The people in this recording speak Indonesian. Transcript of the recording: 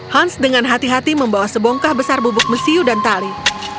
hans dengan hati hati membawa sebongkah besar bubuk mesiu dan tali